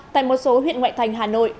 tại một số huyện ngoại thành hà nội